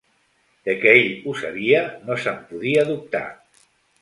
De que ell ho sabia, no se'n podia dubtar.